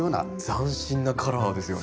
斬新なカラーですよね。